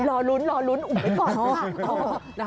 รอลุ้นรอลุ้นอุบไว้ก่อน